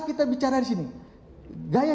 kita bicara di sini gaya